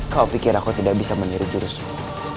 kau pikir aku tidak bisa meniru jurusmu